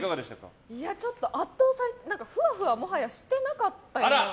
ちょっと圧倒されてふわふわしてなかったような。